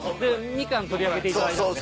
みかん取り上げていただいたんですね。